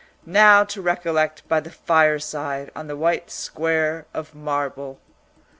Now to recollect by the fireside on the white square of marble.